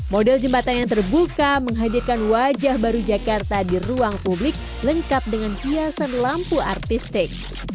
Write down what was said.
model jembatan yang terbuka menghadirkan wajah baru jakarta di ruang publik lengkap dengan hiasan lampu artistik